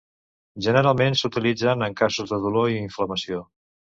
Generalment, s'utilitzen en casos de dolor i inflamació.